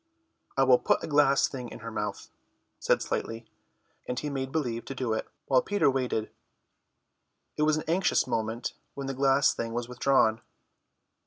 "I will put a glass thing in her mouth," said Slightly, and he made believe to do it, while Peter waited. It was an anxious moment when the glass thing was withdrawn.